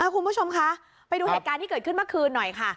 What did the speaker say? คุณผู้ชมคะไปดูเหตุการณ์ที่เกิดขึ้นเมื่อคืนหน่อยค่ะ